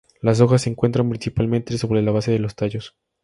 Las hojas se encuentran principalmente sobre la base de los tallos.